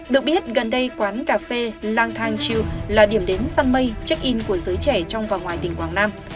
được biết gần đây quán cà phê lang thang chiêu là điểm đến săn mây check in của giới trẻ trong và ngoài tỉnh quảng nam